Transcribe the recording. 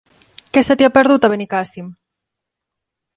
Què se t'hi ha perdut, a Benicàssim?